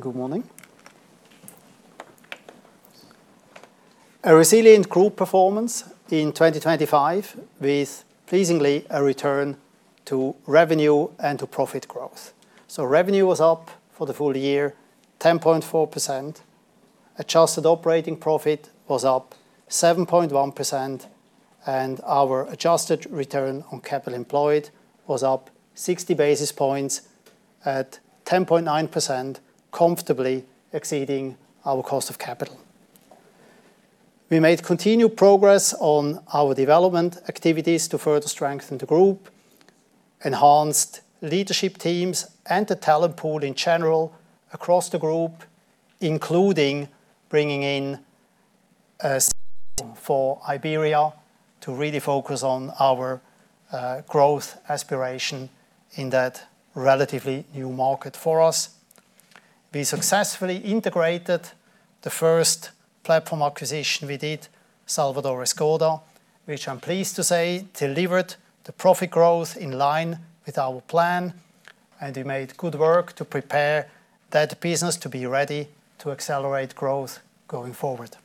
Good morning. A resilient group performance in 2025 with pleasingly a return to revenue and to profit growth. Revenue was up for the full year 10.4%. Adjusted operating profit was up 7.1%, and our adjusted return on capital employed was up 60 basis points at 10.9%, comfortably exceeding our cost of capital. We made continued progress on our development activities to further strengthen the group, enhanced leadership teams and the talent pool in general across the group, including bringing in a CEO for Iberia to really focus on our growth aspiration in that relatively new market for us. We successfully integrated the first platform acquisition we did, Salvador Escoda, which I'm pleased to say delivered the profit growth in line with our plan, and we made good work to prepare that business to be ready to accelerate growth going forward.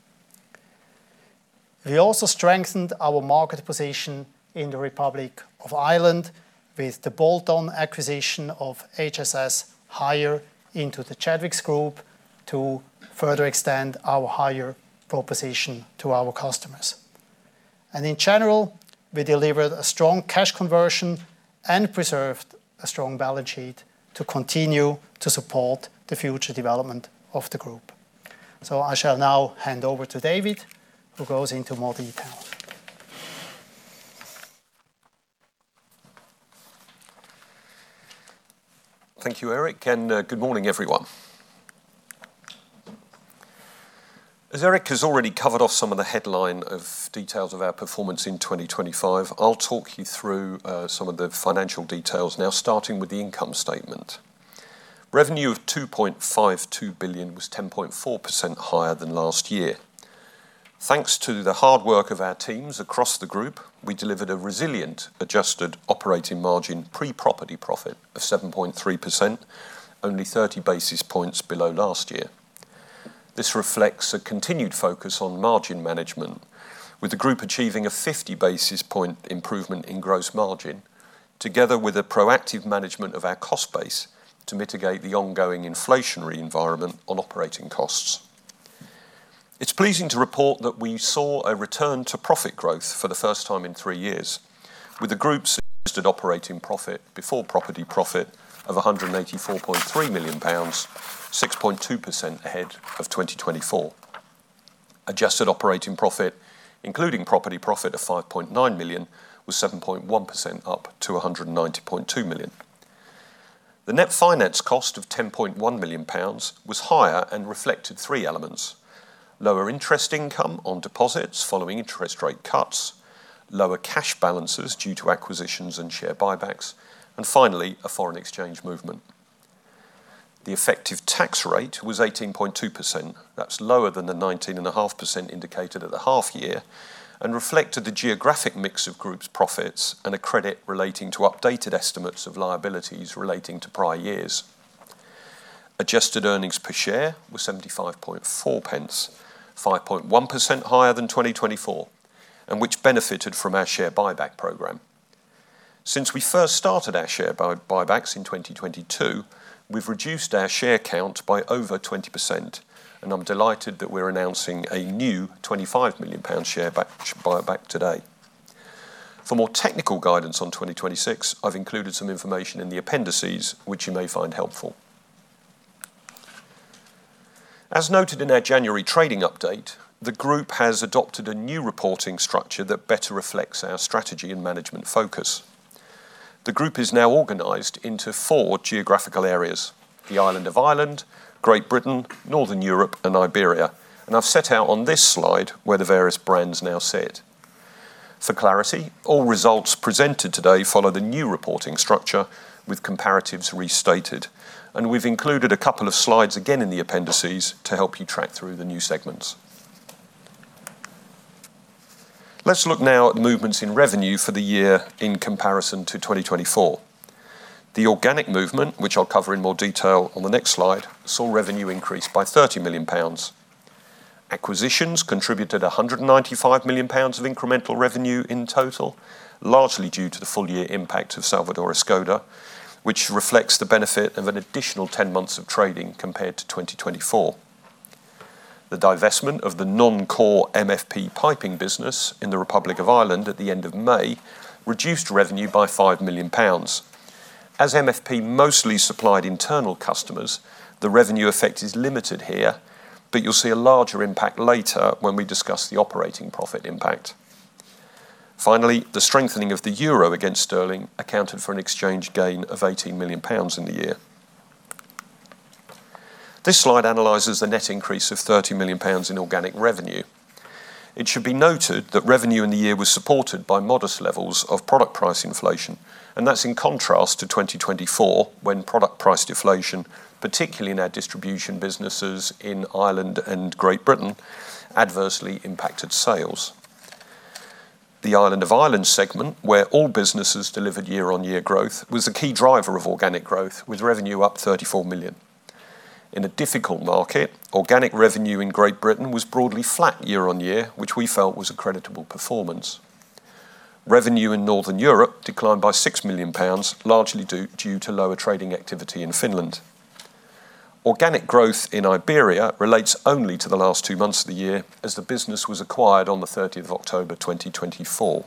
We also strengthened our market position in the Republic of Ireland with the bolt-on acquisition of HSS Hire into the Chadwicks Group to further extend our hire proposition to our customers. In general, we delivered a strong cash conversion and preserved a strong balance sheet to continue to support the future development of the group. I shall now hand over to David, who goes into more detail. Thank you, Eric, and good morning, everyone. As Eric has already covered off some of the headline of details of our performance in 2025, I'll talk you through some of the financial details now, starting with the income statement. Revenue of 2.52 billion was 10.4% higher than last year. Thanks to the hard work of our teams across the group, we delivered a resilient adjusted operating margin pre-property profit of 7.3%, only 30 basis points below last year. This reflects a continued focus on margin management, with the group achieving a 50 basis point improvement in gross margin, together with a proactive management of our cost base to mitigate the ongoing inflationary environment on operating costs. It's pleasing to report that we saw a return to profit growth for the first time in three years, with the group's adjusted operating profit before property profit of 184.3 million pounds, 6.2% ahead of 2024. Adjusted operating profit, including property profit of 5.9 million, was 7.1% up to 190.2 million. The net finance cost of 10.1 million pounds was higher and reflected three elements: lower interest income on deposits following interest rate cuts, lower cash balances due to acquisitions and share buybacks, and finally, a foreign exchange movement. The effective tax rate was 18.2%. That's lower than the 19.5% indicated at the half year and reflected the geographic mix of Group's profits and a credit relating to updated estimates of liabilities relating to prior years. Adjusted earnings per share was 0.754, 5.1% higher than 2024, which benefited from our share buyback program. Since we first started our share buybacks in 2022, we've reduced our share count by over 20%, I'm delighted that we're announcing a new 25 million pound share buyback today. For more technical guidance on 2026, I've included some information in the appendices which you may find helpful. As noted in our January trading update, the Group has adopted a new reporting structure that better reflects our strategy and management focus. The group is now organized into four geographical areas: the island of Ireland, Great Britain, Northern Europe, and Iberia. I've set out on this slide where the various brands now sit. For clarity, all results presented today follow the new reporting structure with comparatives restated. We've included a couple of slides again in the appendices to help you track through the new segments. Let's look now at the movements in revenue for the year in comparison to 2024. The organic movement, which I'll cover in more detail on the next slide, saw revenue increase by 30 million pounds. Acquisitions contributed 195 million pounds of incremental revenue in total, largely due to the full year impact of Salvador Escoda, which reflects the benefit of an additional 10 months of trading compared to 2024. The divestment of the non-core MFP piping business in the Republic of Ireland at the end of May reduced revenue by 5 million pounds. As MFP mostly supplied internal customers, the revenue effect is limited here, but you'll see a larger impact later when we discuss the operating profit impact. The strengthening of the euro against sterling accounted for an exchange gain of 18 million pounds in the year. This slide analyzes the net increase of 30 million pounds in organic revenue. It should be noted that revenue in the year was supported by modest levels of product price inflation, and that's in contrast to 2024, when product price deflation, particularly in our distribution businesses in Ireland and Great Britain, adversely impacted sales. The island of Ireland segment, where all businesses delivered year-on-year growth, was the key driver of organic growth, with revenue up 34 million. In a difficult market, organic revenue in Great Britain was broadly flat year-on-year, which we felt was a creditable performance. Revenue in Northern Europe declined by 6 million pounds, largely due to lower trading activity in Finland. Organic growth in Iberia relates only to the last two months of the year, as the business was acquired on the 30 October 2024.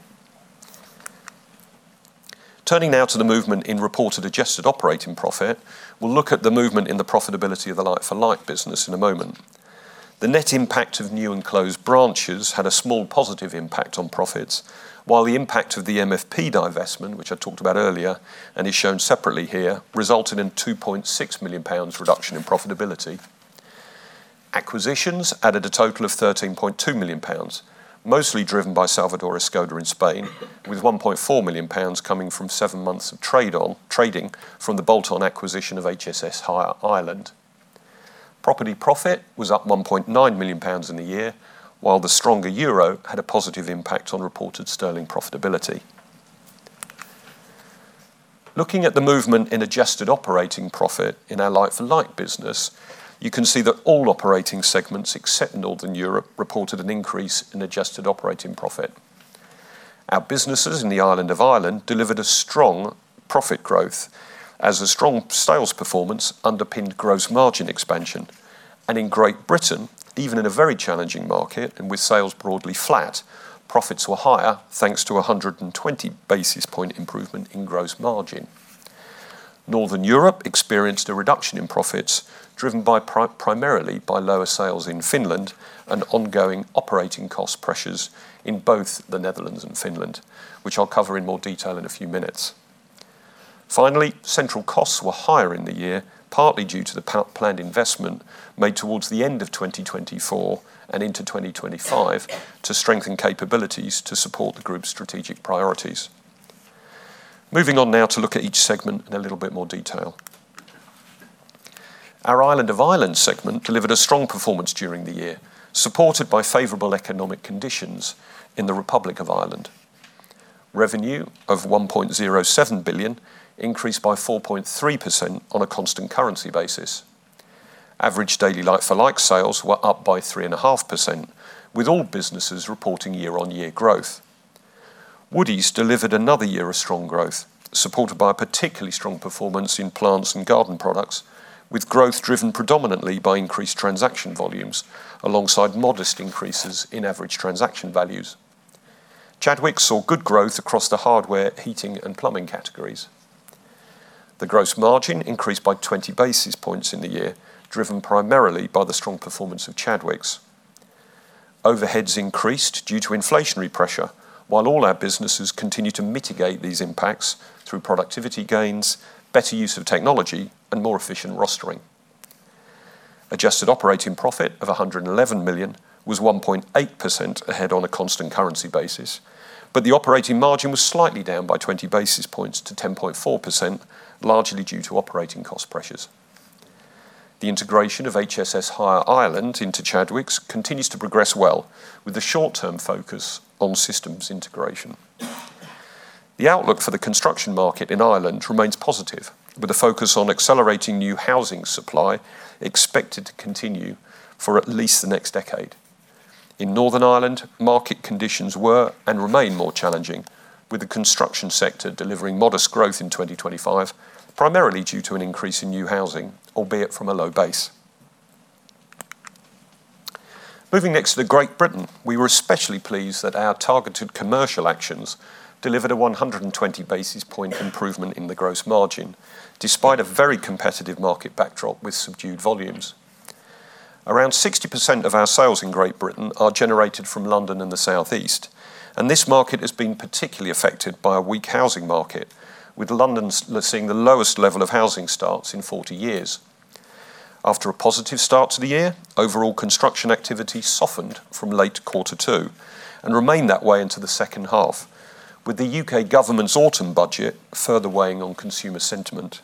Turning now to the movement in reported adjusted operating profit, we'll look at the movement in the profitability of the like-for-like business in a moment. The net impact of new and closed branches had a small positive impact on profits, while the impact of the MFP divestment, which I talked about earlier and is shown separately here, resulted in 2.6 million pounds reduction in profitability. Acquisitions added a total of 13.2 million pounds, mostly driven by Salvador Escoda in Spain, with 1.4 million pounds coming from seven months of trading from the bolt-on acquisition of HSS Hire Ireland. Property profit was up 1.9 million pounds in the year, while the stronger euro had a positive impact on reported sterling profitability. Looking at the movement in adjusted operating profit in our like-for-like business, you can see that all operating segments except Northern Europe reported an increase in adjusted operating profit. Our businesses in the island of Ireland delivered a strong profit growth as a strong sales performance underpinned gross margin expansion. In Great Britain, even in a very challenging market and with sales broadly flat, profits were higher thanks to a 120 basis point improvement in gross margin. Northern Europe experienced a reduction in profits driven primarily by lower sales in Finland and ongoing operating cost pressures in both the Netherlands and Finland, which I'll cover in more detail in a few minutes. Finally, central costs were higher in the year, partly due to the planned investment made towards the end of 2024 and into 2025 to strengthen capabilities to support the group's strategic priorities. Moving on now to look at each segment in a little bit more detail. Our Island of Ireland segment delivered a strong performance during the year, supported by favorable economic conditions in the Republic of Ireland. Revenue of 1.07 billion increased by 4.3% on a constant currency basis. Average daily like-for-like sales were up by 3.5%, with all businesses reporting year-on-year growth. Woodie's delivered another year of strong growth, supported by a particularly strong performance in plants and garden products, with growth driven predominantly by increased transaction volumes alongside modest increases in average transaction values. Chadwicks saw good growth across the hardware, heating, and plumbing categories. The gross margin increased by 20 basis points in the year, driven primarily by the strong performance of Chadwicks. Overheads increased due to inflationary pressure, while all our businesses continue to mitigate these impacts through productivity gains, better use of technology, and more efficient rostering. Adjusted operating profit of 111 million was 1.8% ahead on a constant currency basis, but the operating margin was slightly down by 20 basis points to 10.4%, largely due to operating cost pressures. The integration of HSS Hire Ireland into Chadwicks continues to progress well, with the short-term focus on systems integration. The outlook for the construction market in Ireland remains positive, with a focus on accelerating new housing supply expected to continue for at least the next decade. In Northern Ireland, market conditions were and remain more challenging, with the construction sector delivering modest growth in 2025, primarily due to an increase in new housing, albeit from a low base. Moving next to Great Britain, we were especially pleased that our targeted commercial actions delivered a 120 basis point improvement in the gross margin, despite a very competitive market backdrop with subdued volumes. Around 60% of our sales in Great Britain are generated from London and the South East. This market has been particularly affected by a weak housing market, with London seeing the lowest level of housing starts in 40 years. After a positive start to the year, overall construction activity softened from late quarter two and remained that way into the second half, with the U.K. government's autumn budget further weighing on consumer sentiment.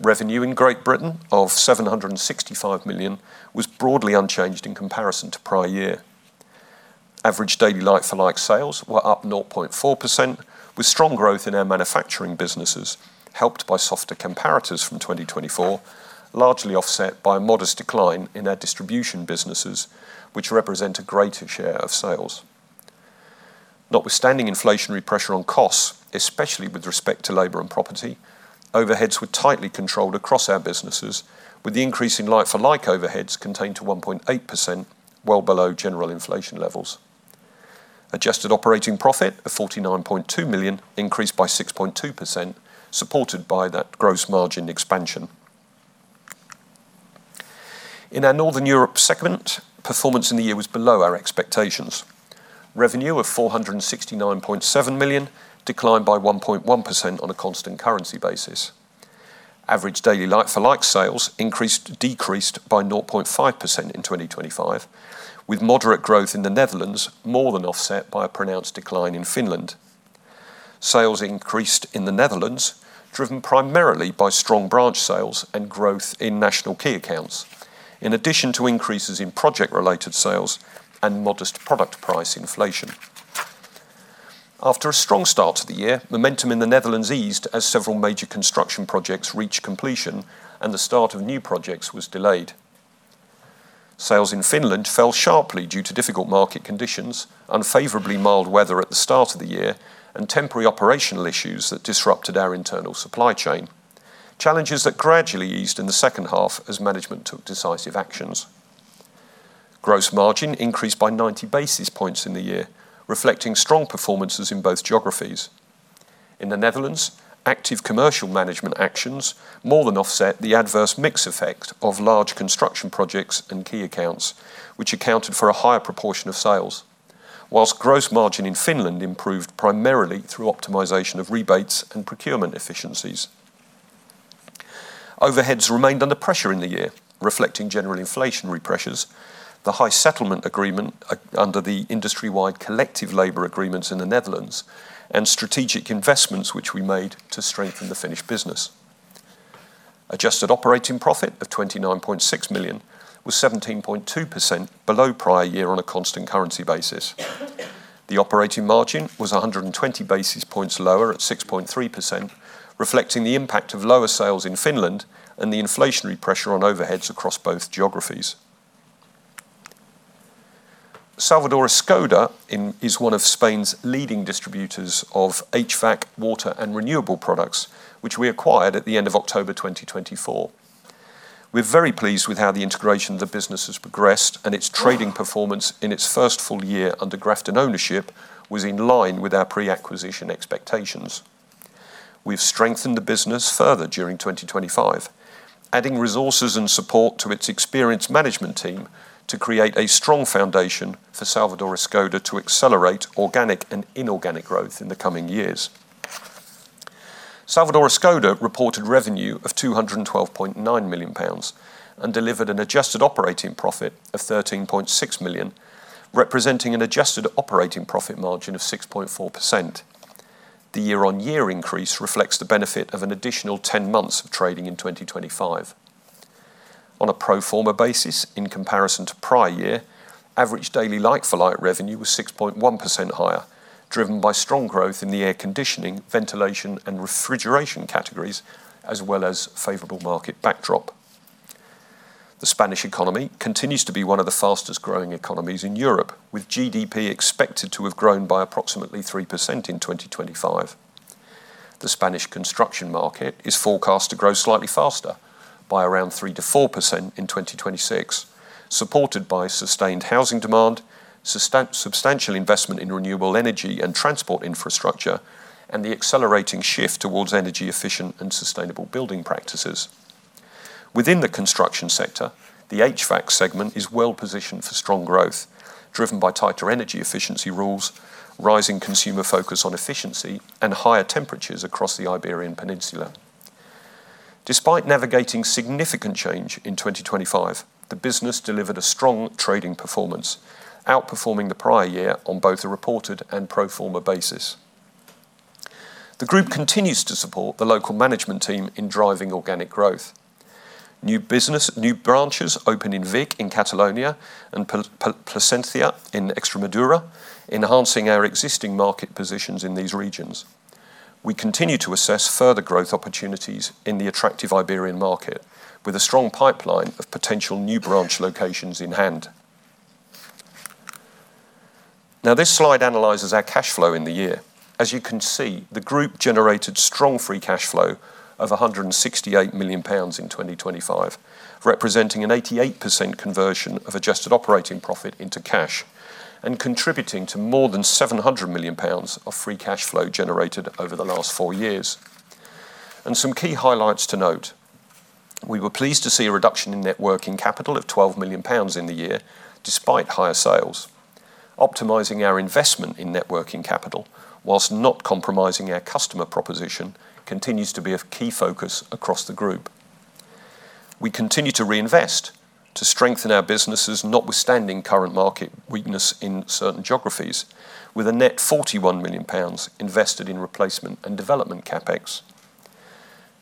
Revenue in Great Britain of 765 million was broadly unchanged in comparison to prior year. Average daily like-for-like sales were up 0.4%, with strong growth in our manufacturing businesses, helped by softer comparators from 2024, largely offset by a modest decline in our distribution businesses, which represent a greater share of sales. Notwithstanding inflationary pressure on costs, especially with respect to labor and property, overheads were tightly controlled across our businesses, with the increase in like-for-like overheads contained to 1.8%, well below general inflation levels. adjusted operating profit of 49.2 million increased by 6.2%, supported by that gross margin expansion. In our Northern Europe segment, performance in the year was below our expectations. Revenue of 469.7 million declined by 1.1% on a constant currency basis. Average daily like-for-like sales decreased by 0.5% in 2025, with moderate growth in the Netherlands more than offset by a pronounced decline in Finland. Sales increased in the Netherlands, driven primarily by strong branch sales and growth in national key accounts, in addition to increases in project-related sales and modest product price inflation. After a strong start to the year, momentum in the Netherlands eased as several major construction projects reached completion and the start of new projects was delayed. Sales in Finland fell sharply due to difficult market conditions, unfavorably mild weather at the start of the year, and temporary operational issues that disrupted our internal supply chain, challenges that gradually eased in the second half as management took decisive actions. Gross margin increased by 90 basis points in the year, reflecting strong performances in both geographies. In the Netherlands, active commercial management actions more than offset the adverse mix effect of large construction projects and key accounts, which accounted for a higher proportion of sales. Whilst gross margin in Finland improved primarily through optimization of rebates and procurement efficiencies. Overheads remained under pressure in the year, reflecting general inflationary pressures, the high settlement agreement under the industry-wide collective labor agreements in the Netherlands, and strategic investments which we made to strengthen the Finnish business. Adjusted operating profit of 29.6 million was 17.2% below prior year on a constant currency basis. The operating margin was 120 basis points lower at 6.3%, reflecting the impact of lower sales in Finland and the inflationary pressure on overheads across both geographies. Salvador Escoda is one of Spain's leading distributors of HVAC, water, and renewable products, which we acquired at the end of October 2024. We're very pleased with how the integration of the business has progressed and its trading performance in its first full year under Grafton ownership was in line with our pre-acquisition expectations. We've strengthened the business further during 2025, adding resources and support to its experienced management team to create a strong foundation for Salvador Escoda to accelerate organic and inorganic growth in the coming years. Salvador Escoda reported revenue of 212.9 million pounds and delivered an adjusted operating profit of 13.6 million, representing an adjusted operating profit margin of 6.4%. The year-on-year increase reflects the benefit of an additional 10 months of trading in 2025. On a pro forma basis, in comparison to prior year, average daily like-for-like revenue was 6.1% higher, driven by strong growth in the air conditioning, ventilation, and refrigeration categories, as well as favorable market backdrop. The Spanish economy continues to be one of the fastest-growing economies in Europe, with GDP expected to have grown by approximately 3% in 2025. The Spanish construction market is forecast to grow slightly faster by around 3%-4% in 2026, supported by sustained housing demand, substantial investment in renewable energy and transport infrastructure, and the accelerating shift towards energy efficient and sustainable building practices. Within the construction sector, the HVAC segment is well-positioned for strong growth, driven by tighter energy efficiency rules, rising consumer focus on efficiency, and higher temperatures across the Iberian Peninsula. Despite navigating significant change in 2025, the business delivered a strong trading performance, outperforming the prior year on both a reported and pro forma basis. The group continues to support the local management team in driving organic growth. New business, new branches open in Vic in Catalonia and Plasencia in Extremadura, enhancing our existing market positions in these regions. We continue to assess further growth opportunities in the attractive Iberian market with a strong pipeline of potential new branch locations in hand. This slide analyzes our cash flow in the year. As you can see, the group generated strong free cash flow of 168 million pounds in 2025, representing an 88% conversion of adjusted operating profit into cash and contributing to more than 700 million pounds of free cash flow generated over the last four years. Some key highlights to note, we were pleased to see a reduction in net working capital of 12 million pounds in the year, despite higher sales. Optimizing our investment in net working capital, while not compromising our customer proposition, continues to be a key focus across the group. We continue to reinvest to strengthen our businesses, notwithstanding current market weakness in certain geographies, with a net 41 million pounds invested in replacement and development CapEx.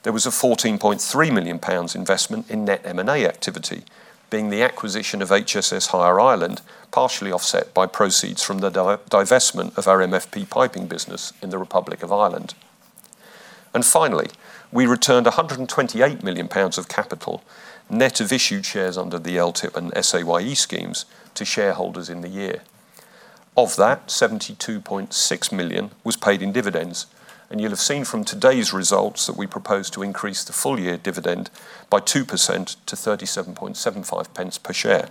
There was a 14.3 million pounds investment in net M&A activity, being the acquisition of HSS Hire Ireland, partially offset by proceeds from the divestment of our MFP piping business in the Republic of Ireland. Finally, we returned 128 million pounds of capital, net of issued shares under the LTIP and SAYE schemes to shareholders in the year. Of that, 72.6 million was paid in dividends, and you'll have seen from today's results that we propose to increase the full year dividend by 2% to 0.3775 per share.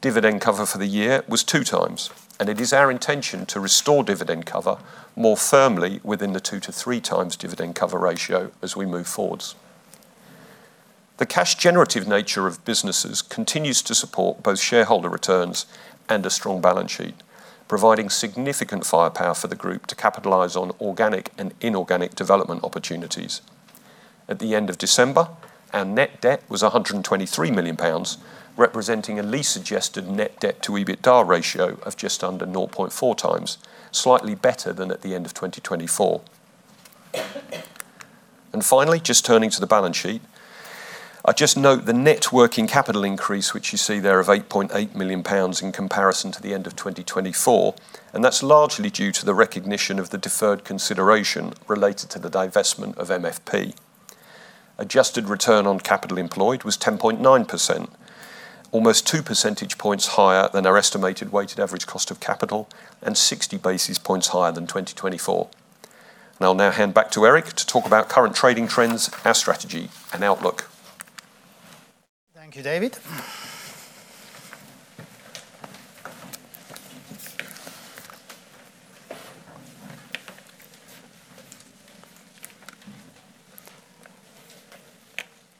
Dividend cover for the year was two times, and it is our intention to restore dividend cover more firmly within the two to three times dividend cover ratio as we move forwards. The cash generative nature of businesses continues to support both shareholder returns and a strong balance sheet, providing significant firepower for the group to capitalize on organic and inorganic development opportunities. At the end of December, our net debt was 123 million pounds, representing a lease-adjusted net debt-to-EBITDA ratio of just under 0.4x, slightly better than at the end of 2024. Finally, just turning to the balance sheet. I just note the net working capital increase, which you see there of 8.8 million pounds in comparison to the end of 2024. That's largely due to the recognition of the deferred consideration related to the divestment of MFP. Adjusted return on capital employed was 10.9%, almost two percentage points higher than our estimated weighted average cost of capital and 60 basis points higher than 2024. I'll now hand back to Eric to talk about current trading trends, our strategy and outlook. Thank you, David.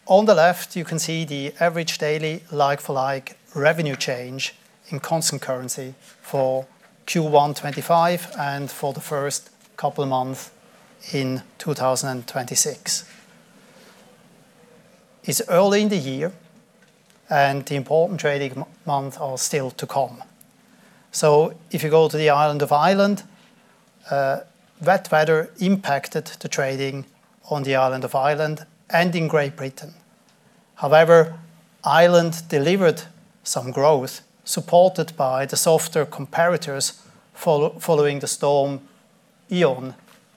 On the left, you can see the average daily like-for-like revenue change in constant currency for Q1 25 and for the first couple of months in 2026. It's early in the year. The important trading month are still to come. If you go to the island of Ireland, wet weather impacted the trading on the island of Ireland and in Great Britain. However, Ireland delivered some growth, supported by the softer comparators following the Storm Éowyn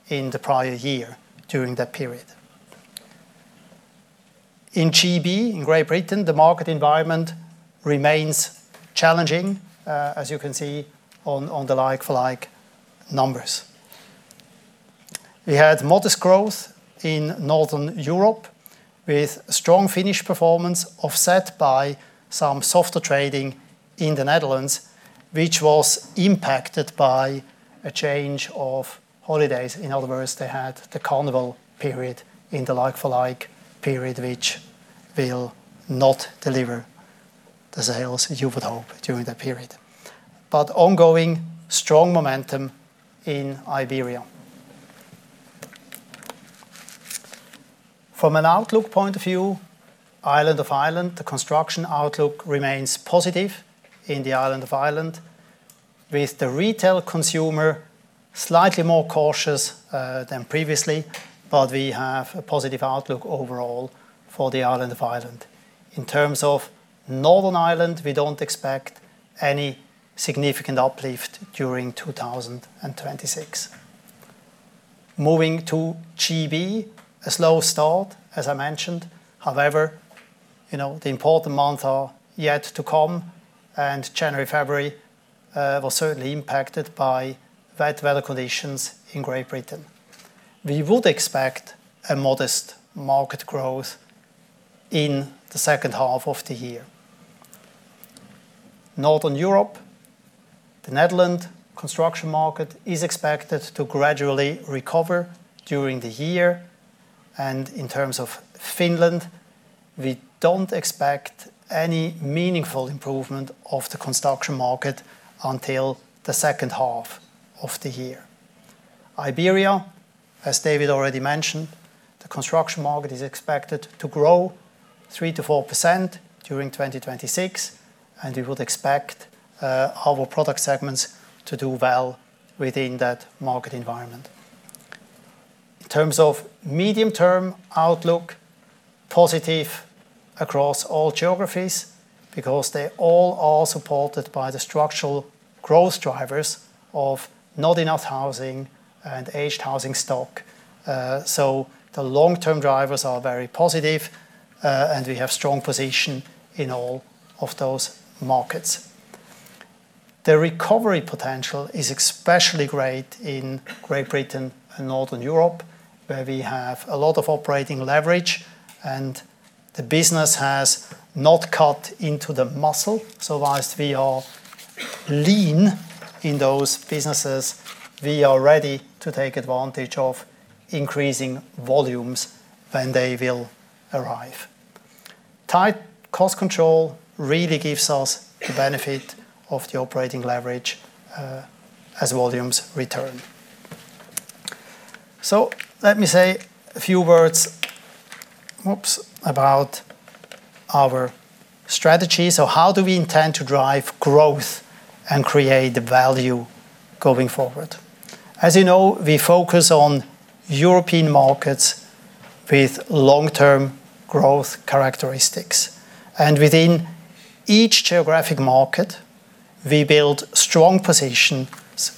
in the prior year during that period. In GB, in Great Britain, the market environment remains challenging, as you can see on the like-for-like numbers. We had modest growth in Northern Europe with strong Finnish performance offset by some softer trading in the Netherlands, which was impacted by a change of holidays. In other words, they had the carnival period in the like-for-like period which will not deliver the sales you would hope during that period. Ongoing strong momentum in Iberia. From an outlook point of view, island of Ireland, the construction outlook remains positive in the island of Ireland, with the retail consumer slightly more cautious than previously, but we have a positive outlook overall for the island of Ireland. In terms of Northern Ireland, we don't expect any significant uplift during 2026. Moving to GB, a slow start, as I mentioned. You know, the important month are yet to come, and January, February, was certainly impacted by bad weather conditions in Great Britain. We would expect a modest market growth in the second half of the year. Northern Europe, the Netherlands construction market is expected to gradually recover during the year. In terms of Finland, we don't expect any meaningful improvement of the construction market until the second half of the year. Iberia, as David already mentioned, the construction market is expected to grow 3%-4% during 2026, and we would expect our product segments to do well within that market environment. In terms of medium-term outlook, positive across all geographies because they all are supported by the structural growth drivers of not enough housing and aged housing stock. The long-term drivers are very positive, and we have strong position in all of those markets. The recovery potential is especially great in Great Britain and Northern Europe, where we have a lot of operating leverage, and the business has not cut into the muscle. Whilst we are lean in those businesses, we are ready to take advantage of increasing volumes when they will arrive. Tight cost control really gives us the benefit of the operating leverage as volumes return. Let me say a few words, whoops, about our strategy. How do we intend to drive growth and create value going forward? As you know, we focus on European markets with long-term growth characteristics. Within each geographic market, we build strong positions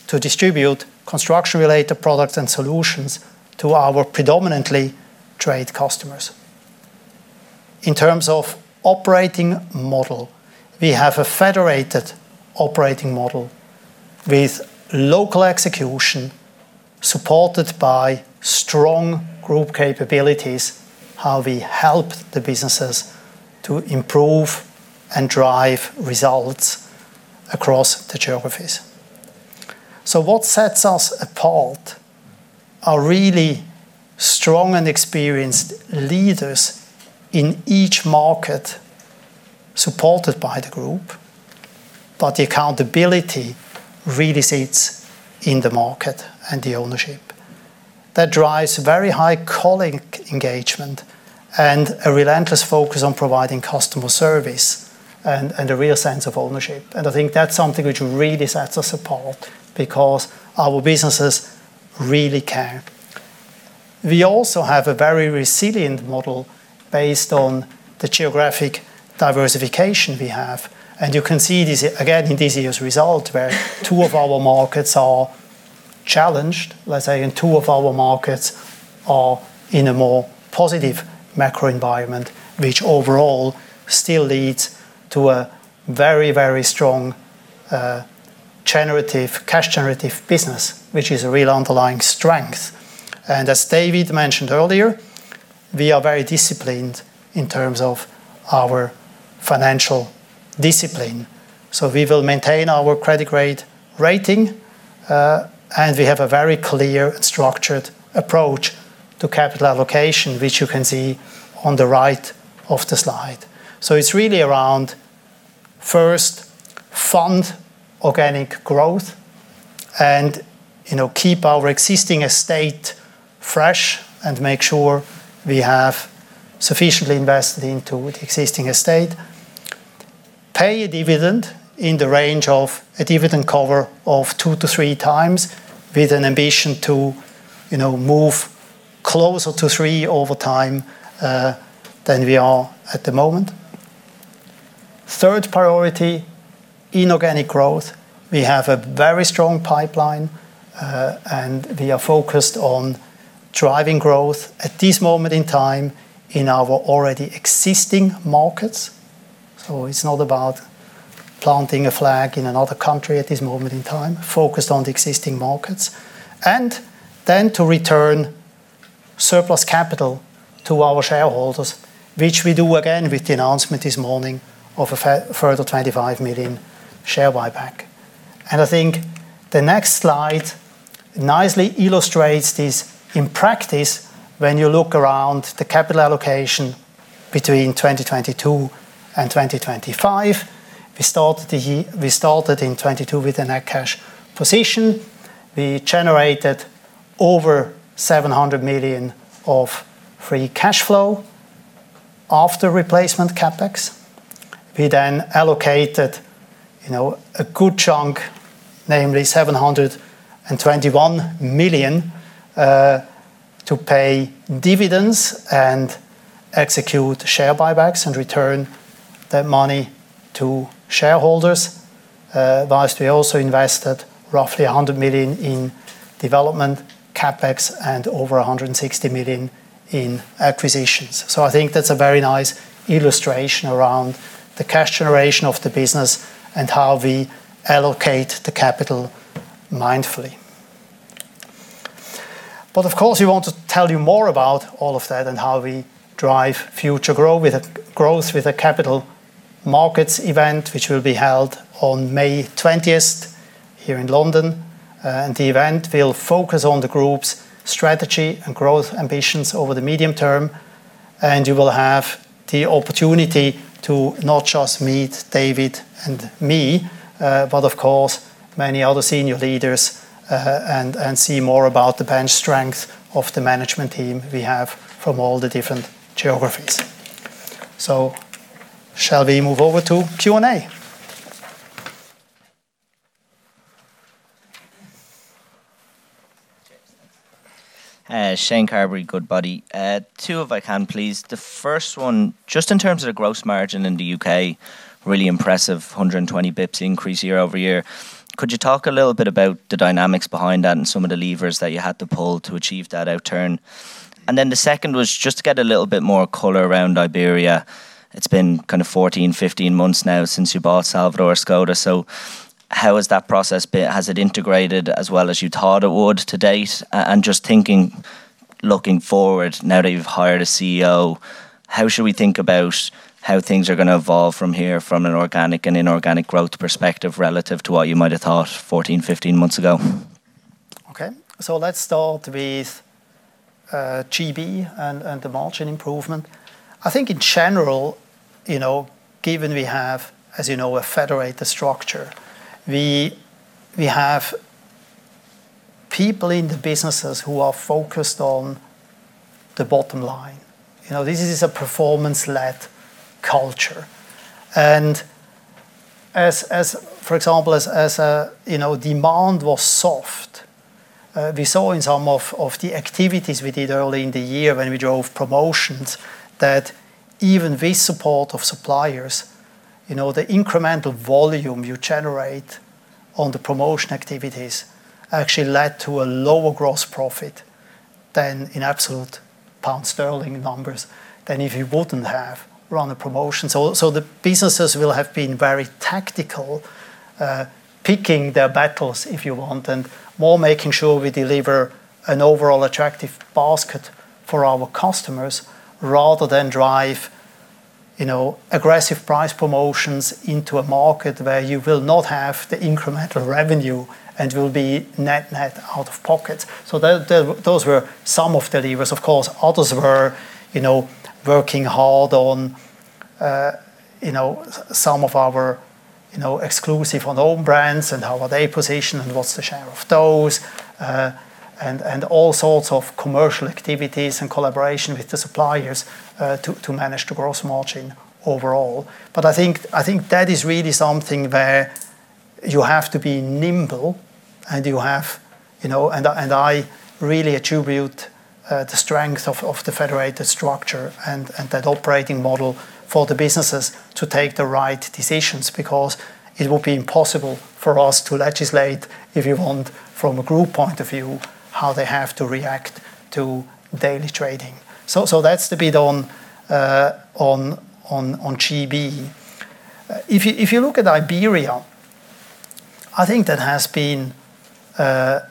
to distribute construction-related products and solutions to our predominantly trade customers. In terms of operating model, we have a federated operating model with local execution supported by strong group capabilities, how we help the businesses to improve and drive results across the geographies. What sets us apart are really strong and experienced leaders in each market, supported by the group. The accountability really sits in the market and the ownership. That drives very high colleague engagement and a relentless focus on providing customer service and a real sense of ownership. I think that's something which really sets us apart, because our businesses really care. We also have a very resilient model based on the geographic diversification we have. You can see this, again, in this year's result, where two of our markets are challenged, let's say, and two of our markets are in a more positive macro environment, which overall still leads to a very strong, generative, cash generative business, which is a real underlying strength. As David mentioned earlier, we are very disciplined in terms of our financial discipline. We will maintain our credit grade rating, and we have a very clear and structured approach to capital allocation, which you can see on the right of the slide. It's really around first fund organic growth and, you know, keep our existing estate fresh and make sure we have sufficiently invested into the existing estate. Pay a dividend in the range of a dividend cover of two to three times with an ambition to, you know, move closer to three over time than we are at the moment. Third priority, inorganic growth. We have a very strong pipeline, and we are focused on driving growth at this moment in time in our already existing markets. It's not about planting a flag in another country at this moment in time, focused on the existing markets. Then to return surplus capital to our shareholders, which we do again with the announcement this morning of a further 25 million share buyback. I think the next slide nicely illustrates this in practice when you look around the capital allocation between 2022 and 2025. We started in 2022 with a net cash position. We generated over 700 million of free cash flow after replacement CapEx. We then allocated, you know, a good chunk, namely 721 million, to pay dividends and execute share buybacks and return that money to shareholders. Whilst we also invested roughly 100 million in development CapEx and over 160 million in acquisitions. I think that's a very nice illustration around the cash generation of the business and how we allocate the capital mindfully. Of course, we want to tell you more about all of that and how we drive future growth with a capital markets event, which will be held on May 20th here in London. The event will focus on the group's strategy and growth ambitions over the medium term, and you will have the opportunity to not just meet David and me, but of course many other senior leaders, and see more about the bench strength of the management team we have from all the different geographies. Shall we move over to Q&A? Shane Carberry, Goodbody. Two if I can please. The first one, just in terms of the gross margin in the U.K., really impressive, 120 basis points increase year-over-year. Could you talk a little bit about the dynamics behind that and some of the levers that you had to pull to achieve that outturn? The second was just to get a little bit more color around Iberia. It's been kind of 14, 15 months now since you bought Salvador Escoda. How has that process been? Has it integrated as well as you thought it would to date? Just thinking, looking forward, now that you've hired a CEO, how should we think about how things are gonna evolve from here from an organic and inorganic growth perspective relative to what you might have thought 14, 15 months ago? Let's start with GB and the margin improvement. I think in general, you know, given we have, as you know, a federated structure, we have people in the businesses who are focused on the bottom line. You know, this is a performance-led culture. As for example, as demand was soft, we saw in some of the activities we did early in the year when we drove promotions that even with support of suppliers, you know, the incremental volume you generate on the promotion activities actually led to a lower gross profit than in absolute pound sterling numbers than if you wouldn't have run the promotions. The businesses will have been very tactical, picking their battles, if you want, and more making sure we deliver an overall attractive basket for our customers rather than drive, you know, aggressive price promotions into a market where you will not have the incremental revenue and will be net out of pocket. Those were some of the levers. Of course, others were, you know, working hard on, you know, some of our, you know, exclusive and own brands and how are they positioned and what's the share of those, and all sorts of commercial activities and collaboration with the suppliers, to manage the gross margin overall. I think that is really something where you have to be nimble and you have, you know... I really attribute the strength of the federated structure and that operating model for the businesses to take the right decisions because it would be impossible for us to legislate, if you want, from a group point of view, how they have to react to daily trading. That's the bit on GB. If you look at Iberia, I think that has been a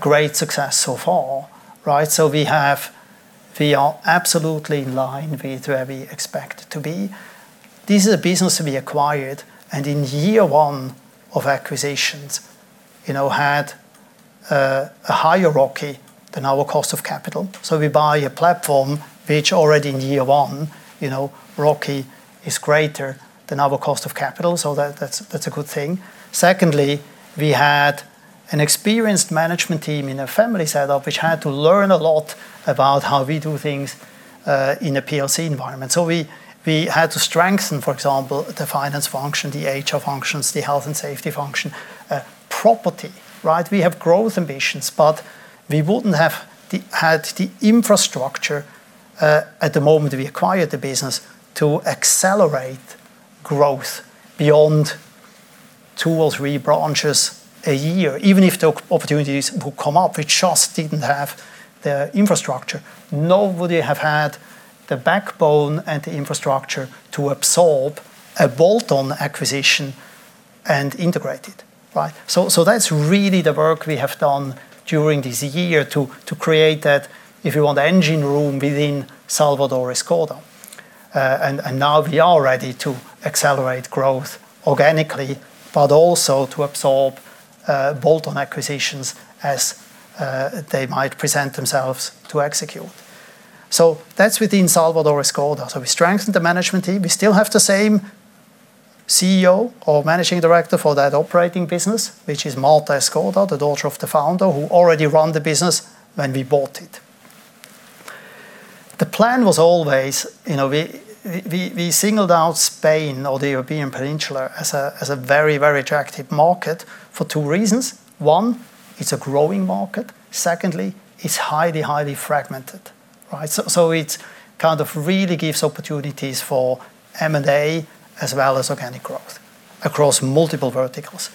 great success so far, right? We are absolutely in line with where we expect to be. This is a business that we acquired, and in year one of acquisitions, you know, had a higher ROCE than our cost of capital. We buy a platform which already in year one, you know, ROCE is greater than our cost of capital. That's a good thing. Secondly, we had an experienced management team in a family setup, which had to learn a lot about how we do things in a PLC environment. We had to strengthen, for example, the finance function, the HR functions, the health and safety function, property, right? We have growth ambitions, but we wouldn't have had the infrastructure at the moment we acquired the business to accelerate growth beyond two or three branches a year. Even if the opportunities would come up, we just didn't have the infrastructure nor would we have had the backbone and the infrastructure to absorb a bolt-on acquisition and integrate it, right? That's really the work we have done during this year to create that, if you want, engine room within Salvador Escoda. Now we are ready to accelerate growth organically, but also to absorb bolt-on acquisitions as they might present themselves to execute. That's within Salvador Escoda. We strengthened the management team. We still have the same CEO or managing director for that operating business, which is Marta Escoda, the daughter of the founder, who already run the business when we bought it. The plan was always, you know. We singled out Spain or the European peninsula as a very attractive market for two reasons. One, it's a growing market. Secondly, it's highly fragmented, right? It kind of really gives opportunities for M&A as well as organic growth across multiple verticals.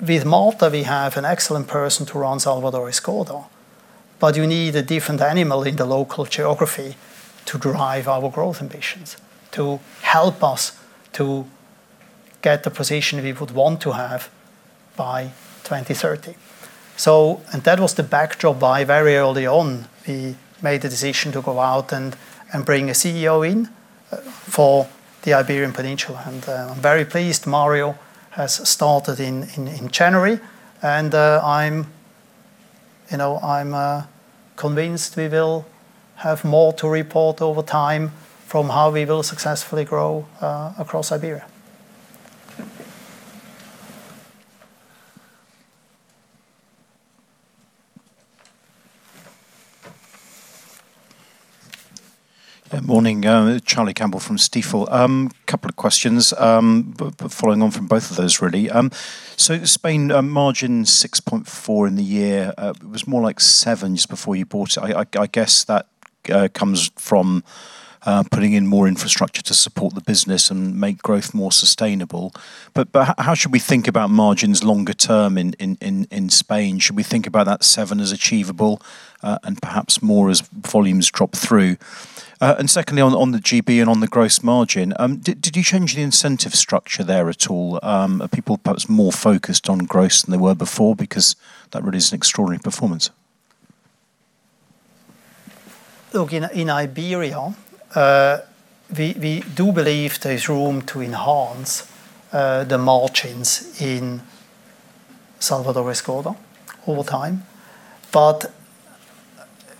With Marta, we have an excellent person to run Salvador Escoda. You need a different animal in the local geography to drive our growth ambitions, to help us to get the position we would want to have by 2030. That was the backdrop why very early on we made the decision to go out and bring a CEO in for the Iberian Peninsula. I'm very pleased Mario has started in January. I'm, you know, I'm convinced we will have more to report over time from how we will successfully grow across Iberia. Morning. Charlie Campbell from Stifel. Couple of questions, but following on from both of those, really. Spain margin 6.4% in the year. It was more like 7% just before you bought it. I guess that comes from putting in more infrastructure to support the business and make growth more sustainable. How should we think about margins longer term in Spain? Should we think about that 7% as achievable and perhaps more as volumes drop through? Secondly, on the GB and on the gross margin, did you change the incentive structure there at all? Are people perhaps more focused on gross than they were before? Because that really is an extraordinary performance. Look, in Iberia, we do believe there is room to enhance the margins in Salvador Escoda over time.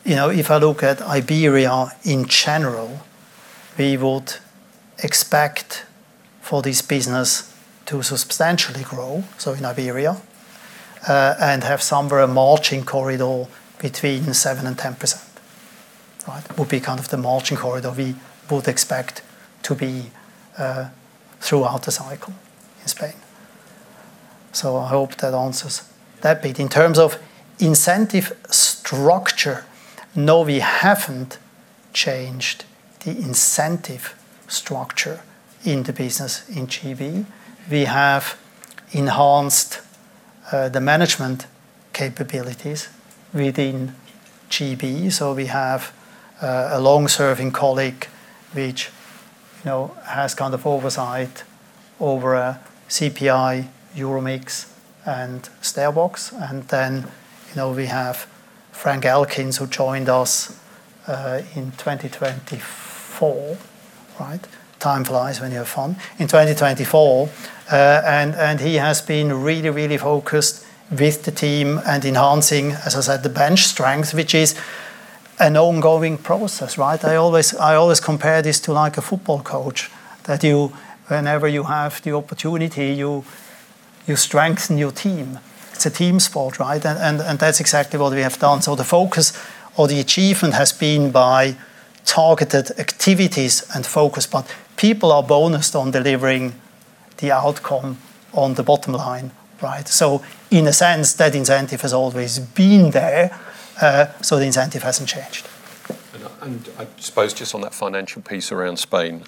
You know, if I look at Iberia in general, we would expect for this business to substantially grow, so in Iberia, and have somewhere a margin corridor between 7% and 10%, right? Would be kind of the margin corridor we would expect to be throughout the cycle in Spain. I hope that answers that bit. In terms of incentive structure, no, we haven't changed the incentive structure in the business in GB. We have enhanced the management capabilities within GB. We have a long-serving colleague which, you know, has kind of oversight over CPI EuroMix and StairBox. You know, we have Frank Elkins, who joined us in 2024, right? Time flies when you have fun. In 2024. He has been really, really focused with the team and enhancing, as I said, the bench strength, which is an ongoing process, right? I always compare this to like a football coach, that you, whenever you have the opportunity, you strengthen your team. It's a team sport, right? That's exactly what we have done. The focus or the achievement has been by targeted activities and focus. People are bonused on delivering the outcome on the bottom line, right? In a sense, that incentive has always been there, the incentive hasn't changed. I suppose just on that financial piece around Spain,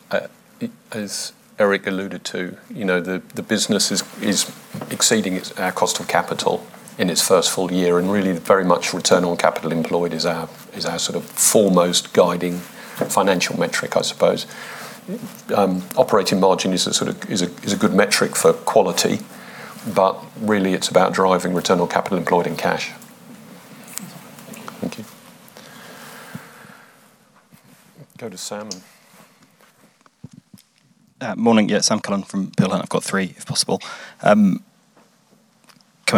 as Eric alluded to, you know, the business is exceeding its cost of capital in its first full year, and really very much return on capital employed is our sort of foremost guiding financial metric, I suppose. Operating margin is a sort of good metric for quality, but really it's about driving return on capital employed and cash. Thank you. Thank you. Go to Sam. Morning. Yeah, Sam Cullen from Peel Hunt. I've got three, if possible. Coming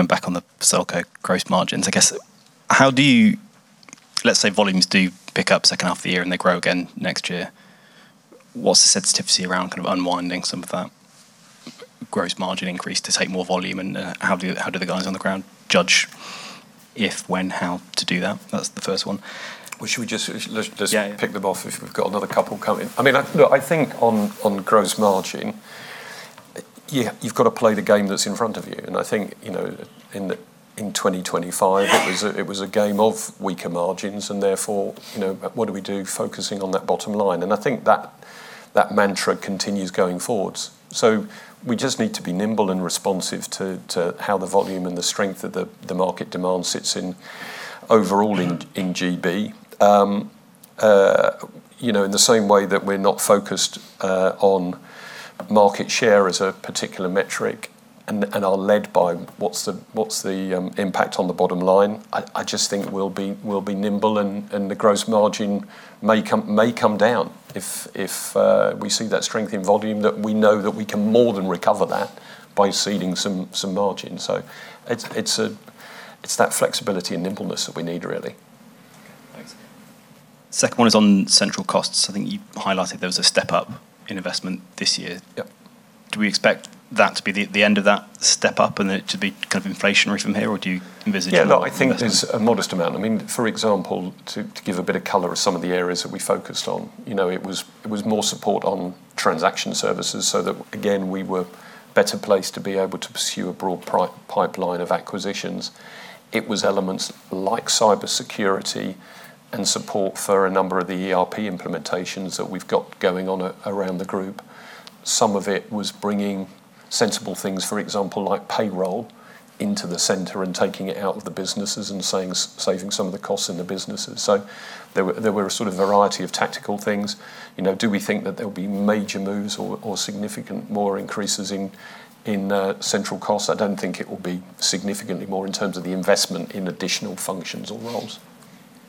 back on the Selco gross margins, I guess, Let's say volumes do pick up second half of the year and they grow again next year. What's the sensitivity around kind of unwinding some of that gross margin increase to take more volume? How do the guys on the ground judge if, when, how to do that? That's the first one. Well, should we… Yeah, yeah pick them off if we've got another couple coming? I mean, look, I think on gross margin, yeah, you've got to play the game that's in front of you. I think, you know, in 2025 it was a game of weaker margins and therefore, you know, what do we do? Focusing on that bottom line. I think that mantra continues going forwards. We just need to be nimble and responsive to how the volume and the strength of the market demand sits in overall in GB. you know, in the same way that we're not focused on market share as a particular metric and are led by what's the, what's the impact on the bottom line. I just think we'll be nimble and the gross margin may come down if we see that strength in volume, that we know that we can more than recover that by ceding some margin. It's that flexibility and nimbleness that we need really. Okay, thanks. Second one is on central costs. I think you highlighted there was a step-up in investment this year. Yep. Do we expect that to be the end of that step up and it to be kind of inflationary from here, or do you? Yeah, look, I think there's a modest amount. I mean, for example, to give a bit of color of some of the areas that we focused on, you know, it was, it was more support on transaction services so that again, we were better placed to be able to pursue a broad pipeline of acquisitions. It was elements like cybersecurity and support for a number of the ERP implementations that we've got going on around the group. Some of it was bringing sensible things, for example, like payroll into the center and taking it out of the businesses and saving some of the costs in the businesses. So there were a sort of variety of tactical things. You know, do we think that there'll be major moves or significant more increases in central costs? I don't think it will be significantly more in terms of the investment in additional functions or roles.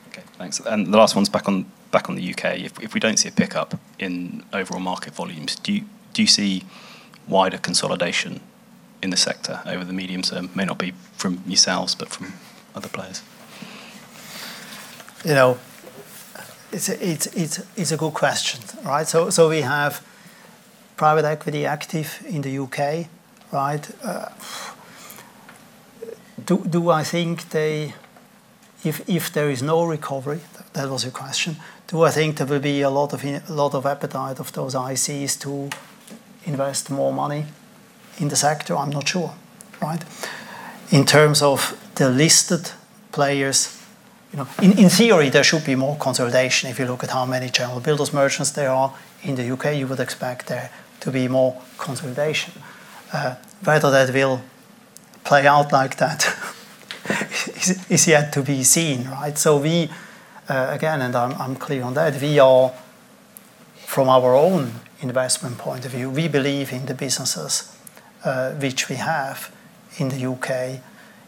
Okay, thanks. The last one's back on the U.K. If we don't see a pickup in overall market volumes, do you see wider consolidation in the sector over the medium term? May not be from yourselves, but from other players. You know, it's a good question, right? We have private equity active in the U.K., right? Do I think If there is no recovery, that was your question. Do I think there will be a lot of appetite of those ICs to invest more money in the sector? I'm not sure. Right. In terms of the listed players, you know, in theory, there should be more consolidation. If you look at how many general builders merchants there are in the U.K., you would expect there to be more consolidation. Whether that will play out like that is yet to be seen, right? We, again, and I'm clear on that, we are from our own investment point of view, we believe in the businesses, which we have in the U.K.,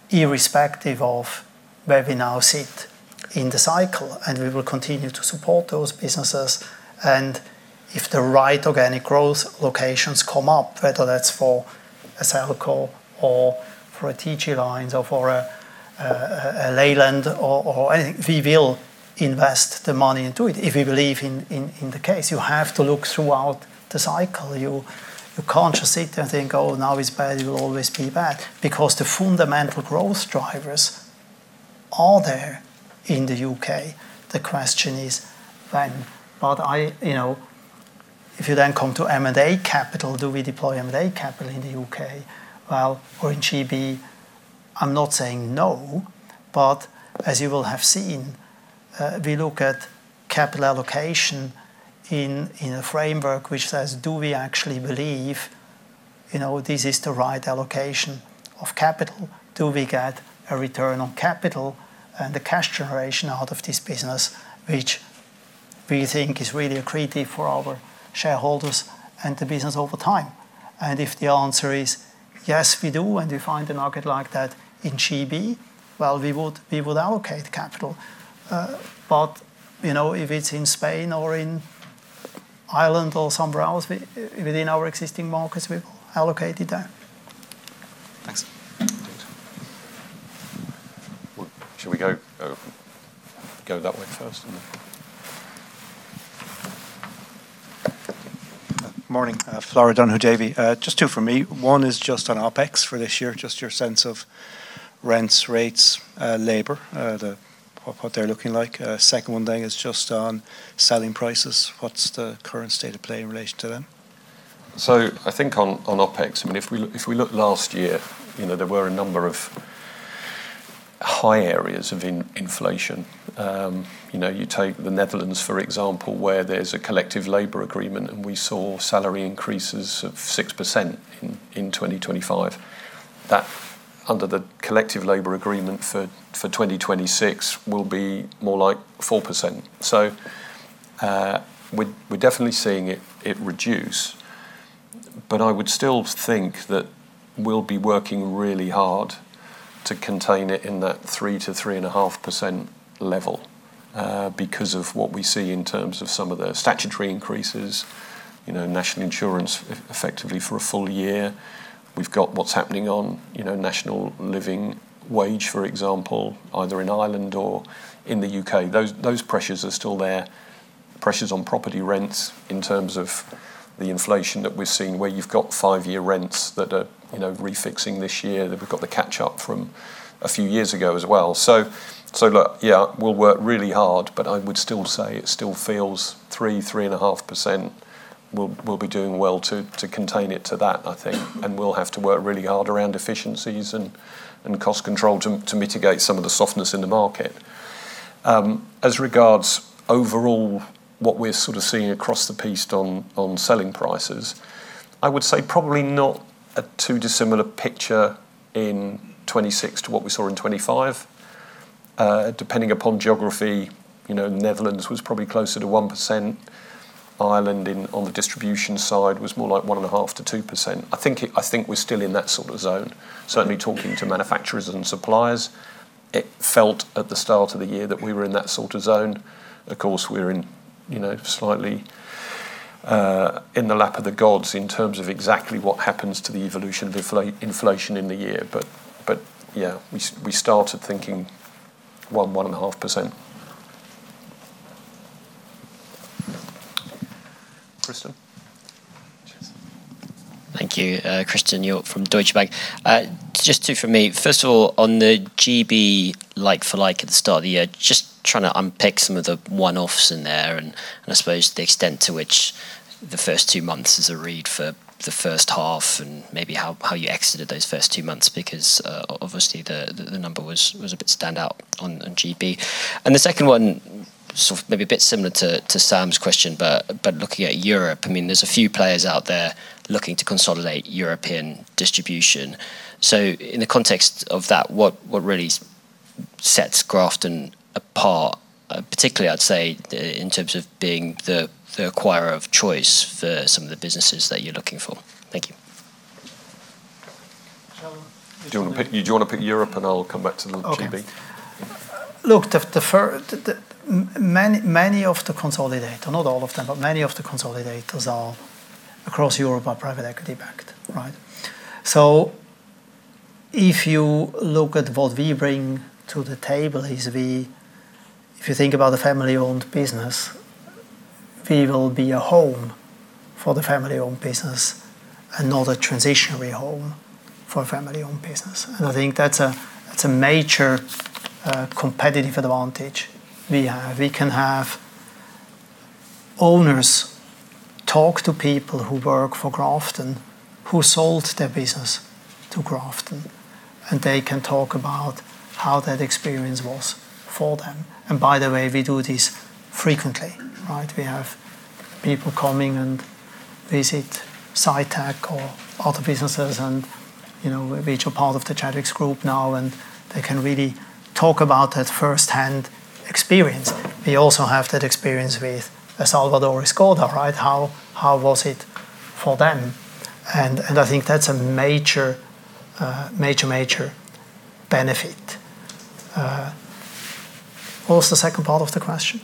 irrespective of where we now sit in the cycle, and we will continue to support those businesses. If the right organic growth locations come up, whether that's for a Selco or for a TG Lynes or for a Leyland or anything, we will invest the money into it if we believe in the case. You have to look throughout the cycle. You can't just sit there and think, "Oh, now it's bad, it will always be bad," because the fundamental growth drivers are there in the U.K. The question is when. I, you know, if you then come to M&A capital, do we deploy M&A capital in the U.K., well, or in GB? I'm not saying no. As you will have seen, we look at capital allocation in a framework which says, do we actually believe, you know, this is the right allocation of capital? Do we get a return on capital and the cash generation out of this business, which we think is really accretive for our shareholders and the business over time? If the answer is yes, we do, and we find a market like that in GB, well, we would allocate capital. You know, if it's in Spain or in Ireland or somewhere else within our existing markets, we will allocate it there. Well, should we go that way first? Morning. Flor O'Donoghue from Davy. Just two for me. One is just on OpEx for this year, just your sense of rents, rates, labor, what they're looking like. Second one is just on selling prices. What's the current state of play in relation to them? I think on OpEx, I mean, if we look last year, you know, there were a number of high areas of inflation. You know, you take the Netherlands, for example, where there's a collective labour agreement, and we saw salary increases of 6% in 2025. That, under the collective labour agreement for 2026 will be more like 4%. We're definitely seeing it reduce. I would still think that we'll be working really hard to contain it in that 3%-3.5% level, because of what we see in terms of some of the statutory increases, you know, National Insurance effectively for a full year. We've got what's happening on, you know, National Living Wage, for example, either in Ireland or in the U.K. Those pressures are still there. Pressures on property rents in terms of the inflation that we're seeing, where you've got five year rents that are, you know, refixing this year, that we've got the catch-up from a few years ago as well. So look, yeah, we'll work really hard, but I would still say it still feels 3.5% we'll be doing well to contain it to that, I think. We'll have to work really hard around efficiencies and cost control to mitigate some of the softness in the market. As regards overall, what we're sort of seeing across the piece on selling prices, I would say probably not a too dissimilar picture in 2026 to what we saw in 2025. Depending upon geography, you know, Netherlands was probably closer to 1%. Ireland in, on the distribution side was more like 1.5%-2%. I think we're still in that sort of zone. Certainly talking to manufacturers and suppliers, it felt at the start of the year that we were in that sort of zone. Of course, we're in, you know, slightly in the lap of the gods in terms of exactly what happens to the evolution of inflation in the year. Yeah, we started thinking 1.5%. Christen? Thank you. Christen Hjorth from Deutsche Bank. Just two from me. First of all, on the GB like-for-like at the start of the year, just trying to unpick some of the one-offs in there and I suppose the extent to which the first two months is a read for the first half and maybe how you exited those first two months because, obviously the number was a bit standout on GB. The second one, sort of maybe a bit similar to Sam's question, but looking at Europe, I mean, there's a few players out there looking to consolidate European distribution. In the context of that, what really sets Grafton apart, particularly in terms of being the acquirer of choice for some of the businesses that you're looking for? Thank you. Do you wanna pick Europe and I'll come back to the GB? Okay. Look, many of the consolidators, not all of them, but many of the consolidators across Europe are private equity backed, right? If you look at what we bring to the table is. If you think about a family-owned business, we will be a home for the family-owned business and not a transitionary home for a family-owned business. I think that's a, that's a major competitive advantage we have. We can have owners talk to people who work for Grafton, who sold their business to Grafton, and they can talk about how that experience was for them. By the way, we do this frequently, right? We have people coming and visit Sitetech or other businesses and, you know, which are part of the Chadwicks Group now, and they can really talk about that first-hand experience. We also have that experience with Salvador Escoda, right? How was it for them? I think that's a major benefit. What was the second part of the question?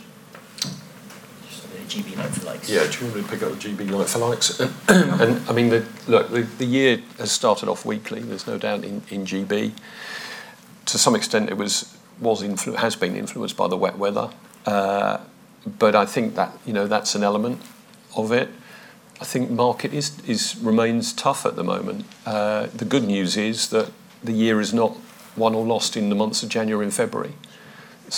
Just on the GB like-for-like. Yeah. Do you wanna pick up the GB like-for-like? I mean, the year has started off weakly, there's no doubt in GB. To some extent, it was influenced by the wet weather. I think that, you know, that's an element of it. I think market is tough at the moment. The good news is that the year is not won or lost in the months of January and February.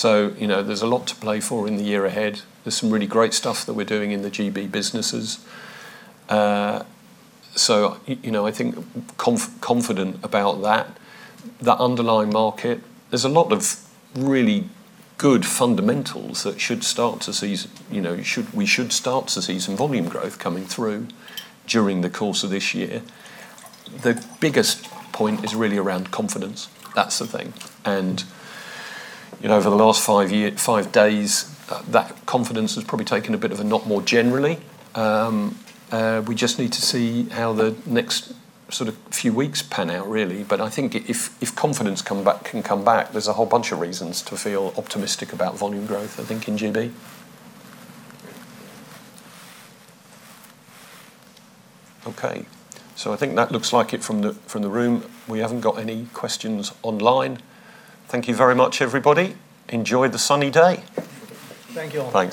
You know, there's a lot to play for in the year ahead. There's some really great stuff that we're doing in the GB businesses. You know, I think confident about that. The underlying market, there's a lot of really good fundamentals that should start to see, you know, you should... We should start to see some volume growth coming through during the course of this year. The biggest point is really around confidence. That's the thing. you know, over the last five days, that confidence has probably taken a bit of a knock more generally. We just need to see how the next sort of few weeks pan out, really. I think if confidence can come back, there's a whole bunch of reasons to feel optimistic about volume growth, I think, in GB. Okay. I think that looks like it from the, from the room. We haven't got any questions online. Thank you very much, everybody. Enjoy the sunny day. Thank you all. Thanks.